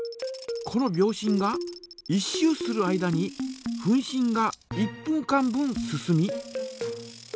この秒針が１周する間に分針が１分間分進み。